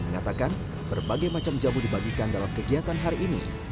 mengatakan berbagai macam jamu dibagikan dalam kegiatan hari ini